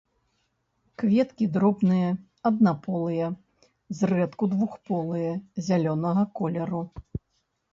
Кветкі дробныя, аднаполыя, зрэдку двухполыя, зялёнага колеру.